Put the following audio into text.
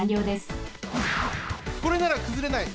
これならくずれない！